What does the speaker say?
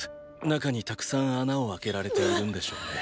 “中”にたくさん穴を開けられているんでしょうね。